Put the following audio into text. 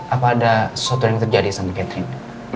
apa ada sesuatu yang terjadi sama catherine